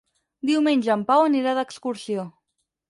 Diumenge en Pau anirà d'excursió.